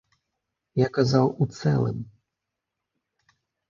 Я казаў у цэлым.